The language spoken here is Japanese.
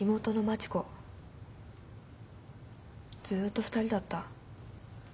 ずっと２人だった。